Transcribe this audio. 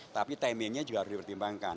tapi timingnya juga harus dipertimbangkan